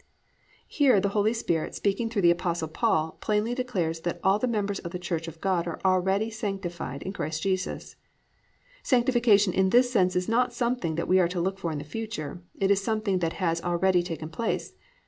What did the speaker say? "+ Here the Holy Spirit speaking through the Apostle Paul, plainly declares that all the members of the church of God are already sanctified in Christ Jesus. Sanctification in this sense is not something that we are to look for in the future, it is something that has already taken place.